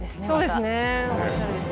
そうですね。